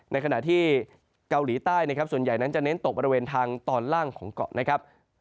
ในขณะที่เกาหลีใต้นะครับส่วนใหญ่นั้นจะเน้นตกบริเวณทางตอนล่างของเกาะนะครับ